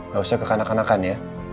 gak usah kekanakan kanakan ya